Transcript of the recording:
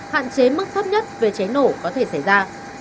hạn chế mức thấp nhất về cháy nổ có thể xảy ra